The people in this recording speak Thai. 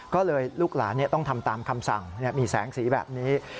ก็เลยลูกหลานต้องทำตามคำสั่งมีแสงสีแบบนี้